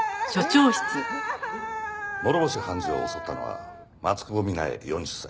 諸星判事を襲ったのは松久保三奈江４０歳。